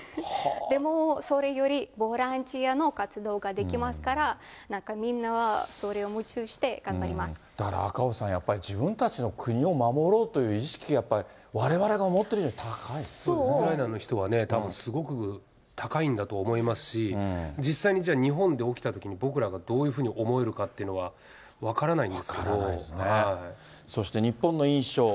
でも、それより、ボランティアの活動ができますから、みんなはそれを、だから赤星さん、やっぱり自分たちの国を守ろうという意識がやっぱり、ウクライナの人はたぶんすごく高いんだと思いますし、実際に、じゃあ日本で起きたときに、僕らがどういうふうに思えるかというそして日本の印象。